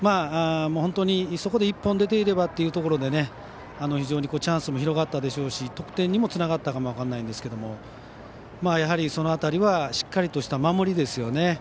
本当に、あそこで１本出ていればというところで非常にチャンスも広がったでしょうし得点にもつながったかも分からないんですけどもやはり、その辺りはしっかりとした守りですよね。